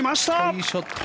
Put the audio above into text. いいショット。